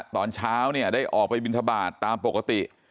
ตอนเช้าเนี่ยได้ออกไปบินทบาทตามปกติ